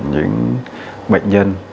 những bệnh nhân